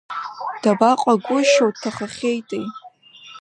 Дабаҟагәышьоу, дҭахахьеитеи!